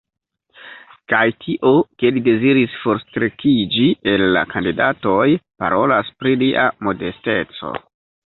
Kaj tio, ke li deziris forstrekiĝi el la kandidatoj, parolas pri lia modesteco.